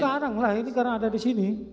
tidak sekarang lah ini sekarang ada di sini